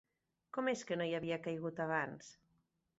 Com és que no hi havia caigut abans?